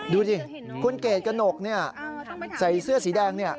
ดูสิคุณเกรดกระหนกใส่เสื้อสีแดง